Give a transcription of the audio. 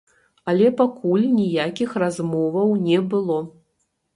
Але пакуль ніякіх размоваў не было.